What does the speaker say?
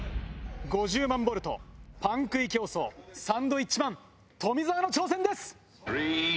５０万ボルトパン食い競争サンドウィッチマン・富澤の挑戦です！